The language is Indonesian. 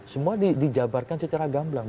semua dijabarkan secara gamblang